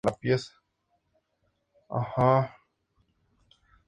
El tamaño es similar a la de Colombia.